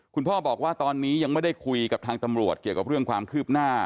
คุณพ่อบอกว่าตอนนี้ยังไม่ได้คุยกับทางตำรวจเกี่ยวกับเรื่องความคืบหน้า